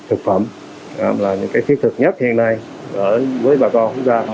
thực phẩm là những cái thiết thực nhất hiện nay với bà con chúng ta